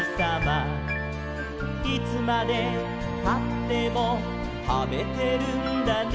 「いつまでたっても食べてるんだね」